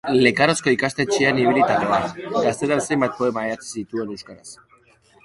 Lekarozko ikastetxean ibilitakoa, gaztetan zenbait poema idatzi zituen euskaraz.